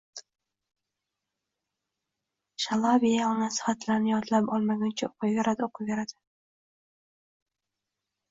Shalabiya onasi xatlarni yodlab olmaguncha o`qiyverardi-o`qiyverardi